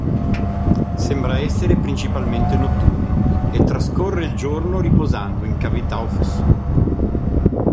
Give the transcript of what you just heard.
Sembra essere principalmente notturno, e trascorre il giorno riposando in cavità o fessure.